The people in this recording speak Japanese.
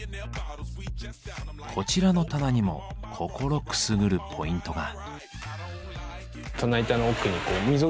こちらの棚にも心くすぐるポイントが。